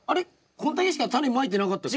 こんだけしかタネまいてなかったっけ？